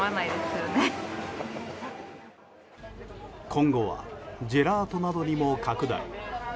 今後はジェラートなどにも拡大。